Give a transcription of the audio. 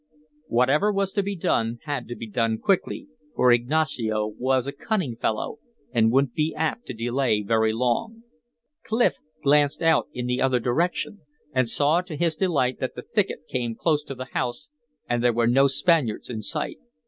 Whatever was to be done had to be done quickly, for Ignacio was a cunning fellow, and wouldn't be apt to delay very long. Clif gazed out in the other direction and saw to his delight that the thicket came close to the house, and there were no Spaniards in sight.